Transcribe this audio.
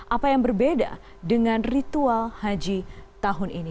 apa yang berbeda dengan ritual haji tahun ini